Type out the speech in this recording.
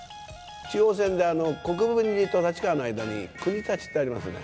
中央線で、国分寺と立川の間に、国立ってありますよね。